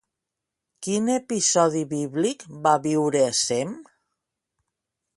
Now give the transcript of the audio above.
Quin episodi bíblic va viure Sem?